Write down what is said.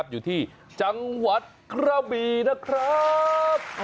อยู่ที่จังหวัดกระบีนะครับ